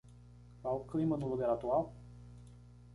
Qual o clima no lugar atual?